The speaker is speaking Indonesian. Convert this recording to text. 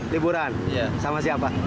liburan sama siapa